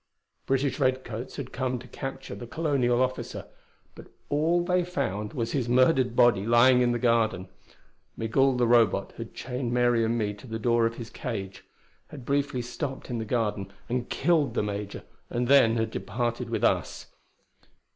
British redcoats had come to capture the colonial officer; but all they found was his murdered body lying in the garden. Migul the Robot had chained Mary and me to the door of his cage; had briefly stopped in the garden and killed the major, and then had departed with us.